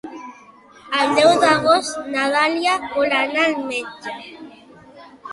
El deu d'agost na Dàlia vol anar al metge.